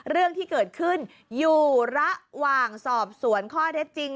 เรื่องที่เกิดขึ้นอยู่ระหว่างสอบสวนข้อเท็จจริง